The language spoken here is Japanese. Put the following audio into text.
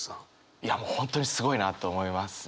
いやもう本当にすごいなと思いますね。